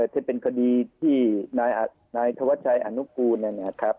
ที่เป็นคดีที่นายธวัชชัยอนุกูลนะครับ